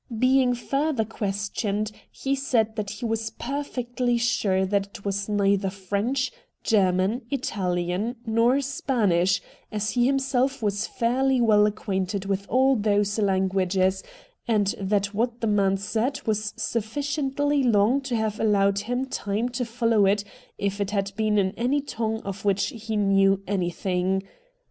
Being further questioned, he said he was perfectly sure that it was neither French, German, Italian, nor Spanish, as he himself was fairly well acquainted with all those languages, and that what the man said was sufficiently long to have allowed him time to follow it if it had been in any tongue of which he knew anything.